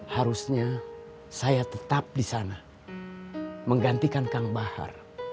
harusnya saya tetap di sana menggantikan kang bahar